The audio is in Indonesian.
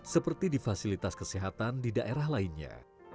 seperti di fasilitas kesehatan di daerah lainnya